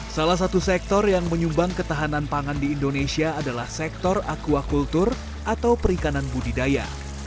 salah satu sektor yang menyumbang ketahanan pangan di indonesia adalah sektor aquacultur atau perikanan budidaya